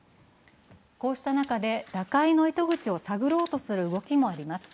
こうした中で打開の糸口を探ろうとする動きもあります。